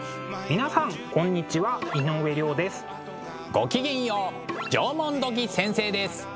ごきげんよう縄文土器先生です。